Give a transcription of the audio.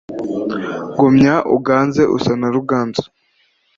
gumya uganze usa na ruganzu